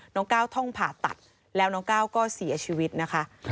ก้าวท่องผ่าตัดแล้วน้องก้าวก็เสียชีวิตนะคะ